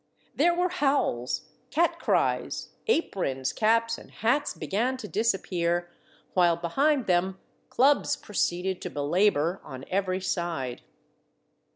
There were howls, cat cries; aprons, caps, and hats be gan to disappear, while behind them clubs pro ceeded to belabor on every side.